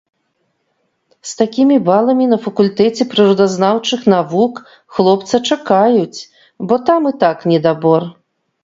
З такімі баламі на факультэце прыродазнаўчых навук хлопца чакаюць, бо там і так недабор.